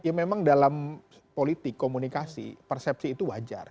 ya memang dalam politik komunikasi persepsi itu wajar